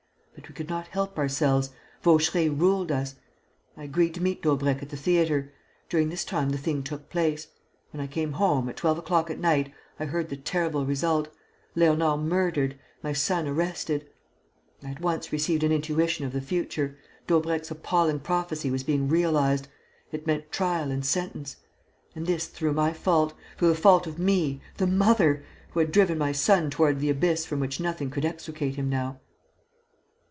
But we could not help ourselves. Vaucheray ruled us. I agreed to meet Daubrecq at the theatre. During this time the thing took place. When I came home, at twelve o'clock at night, I heard the terrible result: Léonard murdered, my son arrested. I at once received an intuition of the future. Daubrecq's appalling prophecy was being realized: it meant trial and sentence. And this through my fault, through the fault of me, the mother, who had driven my son toward the abyss from which nothing could extricate him now."